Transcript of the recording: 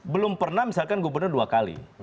belum pernah misalkan gubernur dua kali